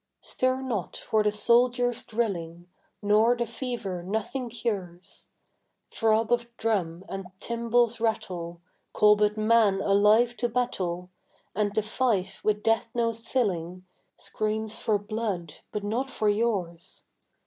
Stir not for the soldiers drilling Nor the fever nothing cures: Throb of drum and timbal's rattle Call but man alive to battle, And the fife with death notes filling Screams for blood but not for yours.